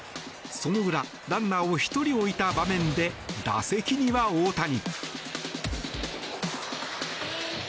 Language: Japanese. その裏、ランナーを１人置いた場面で打席には大谷。